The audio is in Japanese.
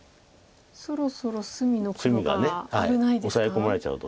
そろそろ隅の黒が危ないですか？